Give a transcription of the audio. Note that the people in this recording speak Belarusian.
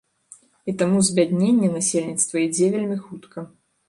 І таму збядненне насельніцтва ідзе вельмі хутка.